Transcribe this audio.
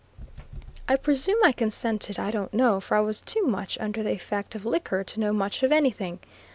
I presume I consented, I don't know, for I was too much under the effect of liquor to know much of anything.